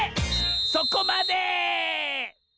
そこまで！